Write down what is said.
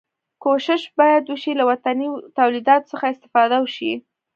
کوښښ باید وشي له وطني تولیداتو څخه استفاده وشي.